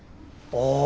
ああ。